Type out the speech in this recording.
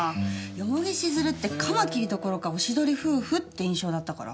蓬城静流ってカマキリどころかおしどり夫婦って印象だったから。